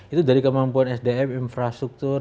itu dari kemampuan sdm infrastruktur